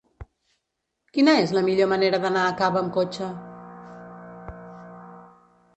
Quina és la millor manera d'anar a Cava amb cotxe?